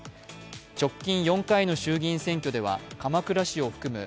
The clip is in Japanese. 直近４回の衆議院選挙では鎌倉市を含む